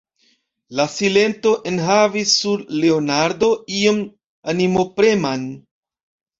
La silento enhavis por Leonardo ion animopreman.